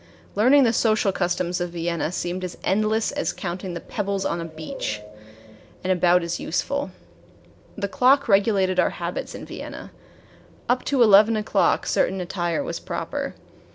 Learning the social customs of Vienna seemed as endless as counting the pebbles on the beach and about as useful. The clock regulated our habits in Vienna. Up to eleven o'clock certain attire was proper.